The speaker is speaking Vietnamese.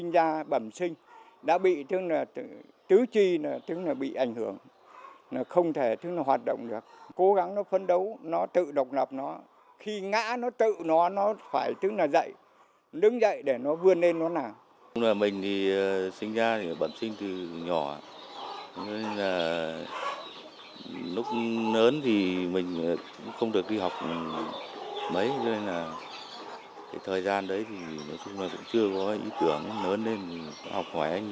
vì sinh ra thì bận sinh từ nhỏ lúc lớn thì mình không được đi học mấy cho nên là thời gian đấy thì chúng tôi cũng chưa có ý tưởng lớn lên học ngoài anh em